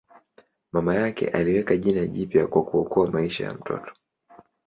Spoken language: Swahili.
Mama yake aliweka jina jipya kwa kuokoa maisha ya mtoto.